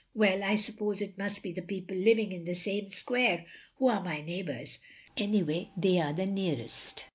Well — I suppose it must be the people living in the same square who are my neighbours, — anyway they are the nearest.